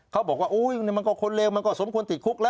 เขาบอกว่ามันก็คนเลวมันก็สมควรติดคุกแล้ว